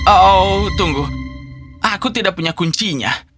oh tunggu aku tidak punya kuncinya